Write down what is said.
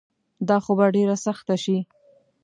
دا خو به ډیره سخته شي